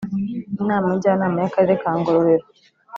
Inama njyanama ya karere ka ngororero